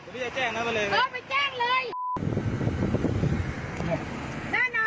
เดี๋ยวขอแข่งนะมาเลย